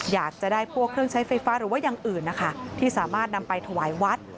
อยากจะได้พวกเครื่องใช้ไฟฟ้าหรือว่าอย่างอื่นนะคะที่สามารถนำไปถวายวัด